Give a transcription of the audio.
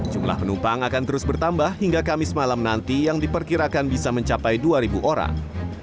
jumlah penumpang akan terus bertambah hingga kamis malam nanti yang diperkirakan bisa mencapai dua orang